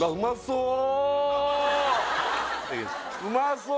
うまそう？